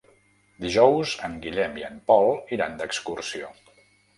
Dijous en Guillem i en Pol iran d'excursió.